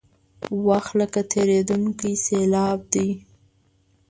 وخت لکه تېرېدونکې سیلاب دی.